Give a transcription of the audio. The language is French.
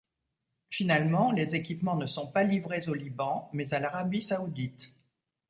Finalement, les équipements ne sont pas livrés au Liban, mais à l'Arabie saoudite.